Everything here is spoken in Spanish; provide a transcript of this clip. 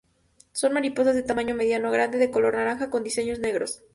Son mariposas de tamaño mediano a grande, de color naranja con diseños negros.